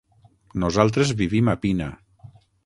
Nosaltres vivim a Pina.